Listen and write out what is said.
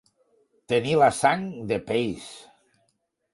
Tenir la sang de peix.